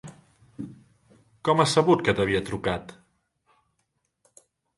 Com has sabut que t'havia trucat?